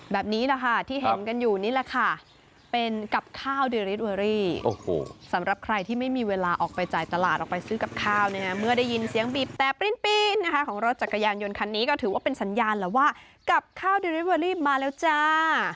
แบบนี้แหละค่ะที่เห็นกันอยู่นี่แหละค่ะเป็นกับข้าวเดริสเวอรี่สำหรับใครที่ไม่มีเวลาออกไปจ่ายตลาดออกไปซื้อกับข้าวเนี่ยเมื่อได้ยินเสียงบีบแต่ปริ้นนะคะของรถจักรยานยนต์คันนี้ก็ถือว่าเป็นสัญญาณแล้วว่ากับข้าวเดริเวอรี่มาแล้วจ้า